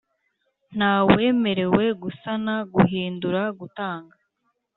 Nta wemerewe gusana guhindura gutanga